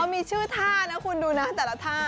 อ๋อมีชื่อท่านะคุณดูนะทันท่า